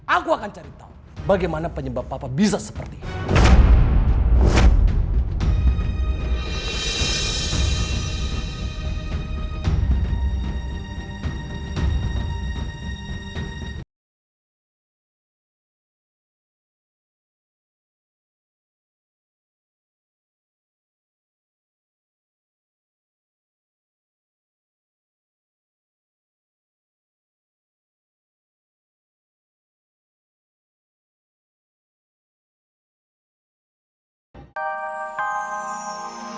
aku akan cari tau bagaimana penyebab papa bisa seperti ini